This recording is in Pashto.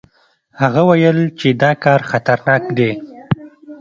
هغه ویل چې دا کار خطرناک دی.